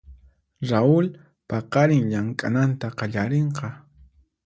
Raul paqarin llamk'ananta qallarinqa.